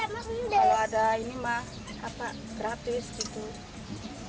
kalau ada ini mah gratis gitu